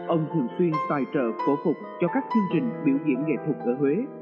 ông thường xuyên tài trợ cổ phục cho các chương trình biểu diễn nghệ thuật ở huế